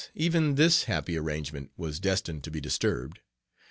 even this happy arrangement was destined to be disturbed.